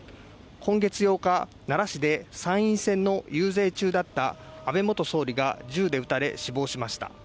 今月８日奈良市で参院選の遊説中だった安倍元総理が銃で撃たれ死亡しました